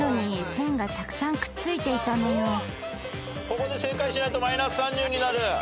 ここで正解しないとマイナス３０になる。